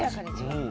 うん。